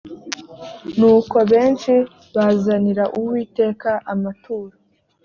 nuko benshi bazanira uwiteka amaturo